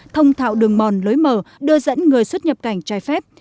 thông thạo đường mòn lối mở đưa dẫn người xuất nhập cảnh trái phép